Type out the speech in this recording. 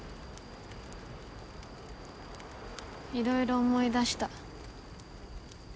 いろいろ思い出した。